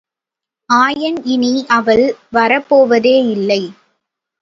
ஆயன் இனி அவள் வரப்போவதேயில்லை!